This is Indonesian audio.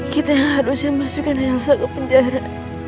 kita yang harusnya masukin elsa ke penjara